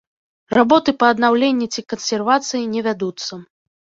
Работы па аднаўленні ці кансервацыі не вядуцца.